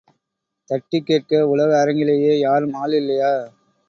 தட்டிக் கேட்க உலக அரங்கிலேயே யாரும் ஆள் இல்லையா?